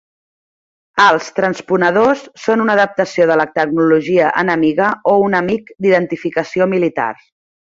Els transponedors són una adaptació de la tecnologia enemiga o un amic d"identificació militar.